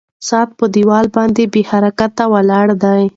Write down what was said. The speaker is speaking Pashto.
ساعت په دیوال باندې بې حرکته ولاړ دی.